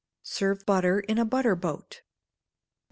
Serve butter in a butter boat. 1125.